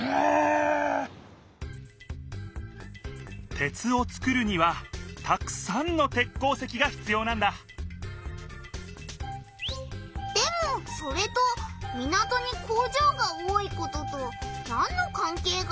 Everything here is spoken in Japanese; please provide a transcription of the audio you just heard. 鉄を作るにはたくさんの鉄鉱石がひつようなんだでもそれと港に工場が多いこととなんのかんけいがあるんだ？